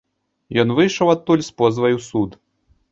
Ён выйшаў адтуль з позвай у суд.